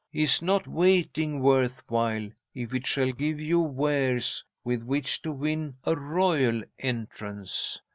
Is not waiting worth while, if it shall give you wares with which to win a royal entrance?"